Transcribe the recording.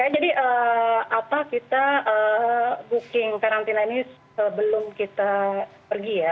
jadi apa kita booking karantina ini sebelum kita pergi ya